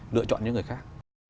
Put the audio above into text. lựa chọn những người khác